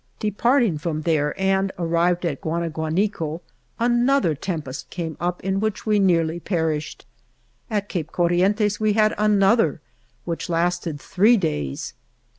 Departing from there and arrived at Guaniguanico, another tempest came up in which we nearly perished. At Cape Cor rientes we had another, which lasted three days.